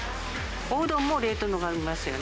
おうどんも、冷凍のがありますよね。